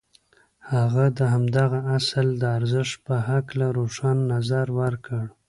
هغه د همدغه اصل د ارزښت په هکله روښانه نظر ورکړ.